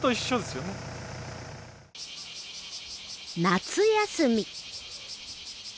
夏休み。